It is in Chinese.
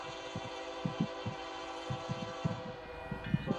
这个故事隶属于他的机器人系列的作品。